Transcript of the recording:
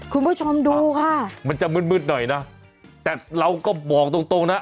คุณผู้ชมดูค่ะมันจะมืดมืดหน่อยนะแต่เราก็บอกตรงตรงนะ